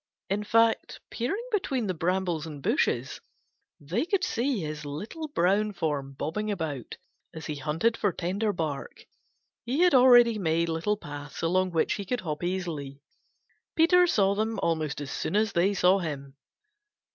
In fact, peering between the brambles and bushes, they could see his little brown form bobbing about as he hunted for tender bark. He had already made little paths along which he could hop easily. Peter saw them almost as soon as they saw him.